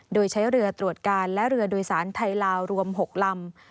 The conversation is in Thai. โดยใช้เรือตรวจการและเรือโดยสารไทยลาวรวม๖ลำ